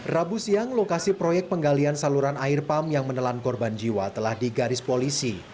rabu siang lokasi proyek penggalian saluran air pump yang menelan korban jiwa telah digaris polisi